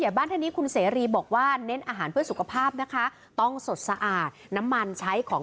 บ้านท่านนี้คุณเสรีบอกว่าเน้นอาหารเพื่อสุขภาพนะคะต้องสดสะอาดน้ำมันใช้ของ